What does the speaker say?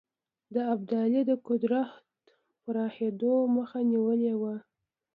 د ابدالي د قدرت پراخېدلو مخه نیولې وه.